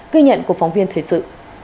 ghi nhận của phóng viên thời sự